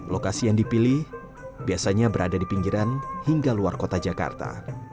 lokasi yang dipilih biasanya berada di pinggiran hingga luar kota jakarta